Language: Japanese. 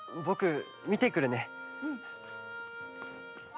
うん。